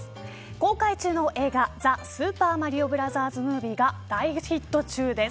公開中のザ・スーパーマリオブラザーズ・ムービーが大ヒット中です。